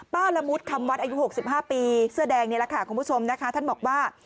ละมุดคำวัดอายุ๖๕ปีเสื้อแดงนี่แหละค่ะคุณผู้ชมนะคะท่านบอกว่า